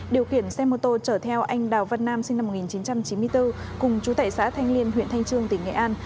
điều khiển xe mô tô chở theo anh đào văn nam sinh năm một nghìn chín trăm chín mươi bốn cùng chú tệ xã thanh liên huyện thanh trương tỉnh nghệ an